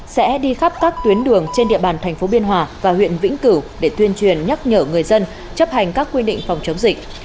sẽ đi khắp các tuyến đường trên địa bàn thành phố biên hòa và huyện vĩnh cửu để tuyên truyền nhắc nhở người dân chấp hành các quy định phòng chống dịch